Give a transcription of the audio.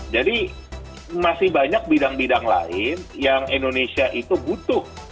jadi masih banyak bidang bidang lain yang indonesia itu butuh